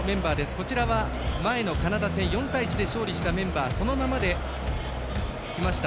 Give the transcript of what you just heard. こちらは、前のカナダ戦４対１で勝利したメンバーそのままできました。